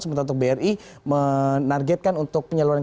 sementara untuk bri menargetkan untuk penyaluran